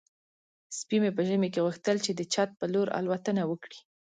سپي په ژمي کې غوښتل چې د چت په لور الوتنه وکړي.